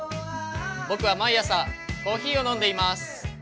僕は毎朝、コーヒーを飲んでいます。